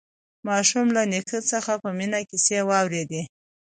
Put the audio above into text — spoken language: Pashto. ماشوم له نیکه څخه په مینه کیسې واورېدې